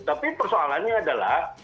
tapi persoalannya adalah